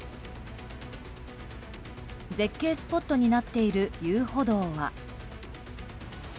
絶景スポットになっている遊歩道は。